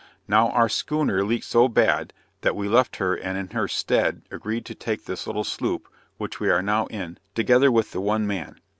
Now our schooner leaked so bad, that we left her and in her stead agreed to take this little sloop (which we are now in) together with the one man.